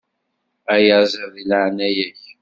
Ayaziḍ, deg leɛnaya-k.